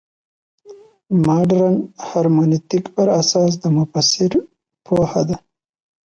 مډرن هرمنوتیک پر اساس د مفسر پوهه ده.